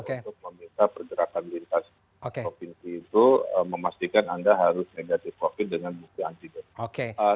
untuk meminta pergerakan lintas provinsi itu memastikan anda harus negatif covid dengan bukti antigen